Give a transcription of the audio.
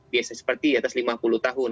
biasanya seperti atas lima puluh tahun